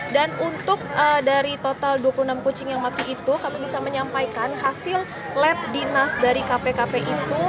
dan untuk dari total dua puluh enam kucing yang mati itu kami bisa menyampaikan hasil lab dinas dari kpkp itu